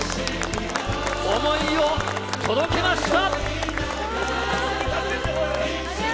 想いを届けました。